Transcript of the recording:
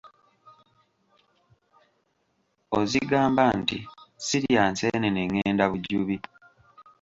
Ozigamba nti, “Sirya nseenene ngenda Bujubi.῎